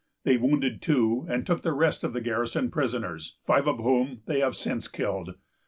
They wounded two, and took the rest of the garrison prisoners, five of whom they have since killed.